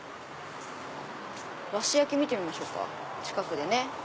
和紙焼見てみましょうか近くでね。